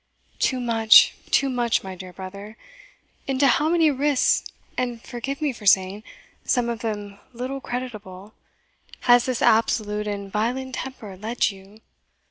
"Too much, too much, my dear brother! Into how many risks, and, forgive me for saying, some of them little creditable, has this absolute and violent temper led you!